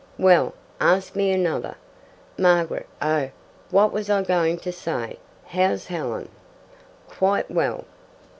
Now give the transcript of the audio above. "Well, ask me another. Margaret oh what was I going to say? How's Helen?" "Quite well."